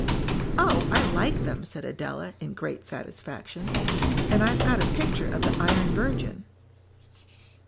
"Oh, I like them," said Adela, in great satisfaction, "and I've got a picture of the 'Iron Virgin.'"